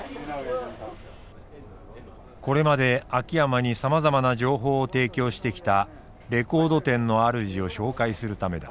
これまで秋山にさまざまな情報を提供してきたレコード店のあるじを紹介するためだ。